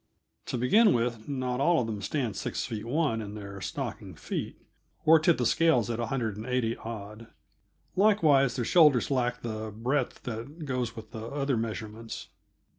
To begin with, not all of them stand six feet one in their stocking feet, or tip the scales at a hundred and eighty odd; likewise their shoulders lacked the breadth that goes with the other measurements.